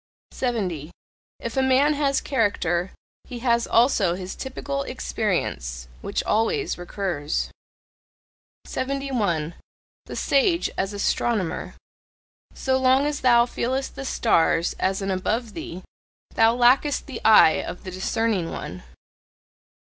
70. If a man has character, he has also his typical experience, which always recurs. 71. THE SAGE AS ASTRONOMER. So long as thou feelest the stars as an "above thee," thou lackest the eye of the discerning one.